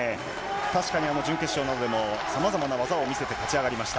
確かに準決勝などでも、さまざまな技を見せて勝ち上がりました。